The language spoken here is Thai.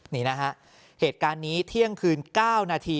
นี่นะฮะเหตุการณ์นี้เที่ยงคืน๙นาที